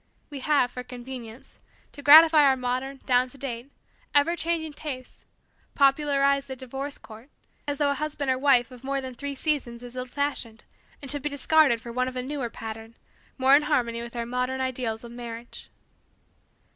We have, for convenience, to gratify our modern, down to date, ever changing tastes, popularized the divorce court as though a husband or wife of more than three seasons is old fashioned and should be discarded for one of a newer pattern, more in harmony with our modern ideals of marriage.